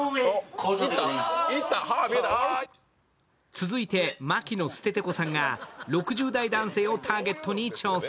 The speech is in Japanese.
続いて牧野ステテコさんが６０代男性をターゲットに挑戦。